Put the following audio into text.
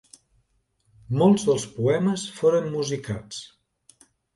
Molts dels poemes foren musicats.